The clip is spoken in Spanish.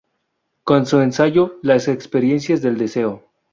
Con su ensayo "Las experiencias del deseo.